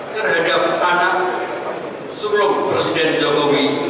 terhadap anak sulung presiden jokowi